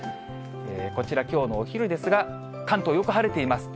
こちら、きょうのお昼ですが、関東、よく晴れています。